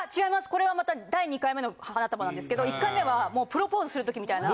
これはまた第２回目の花束なんですけど１回目はプロポーズする時みたいな。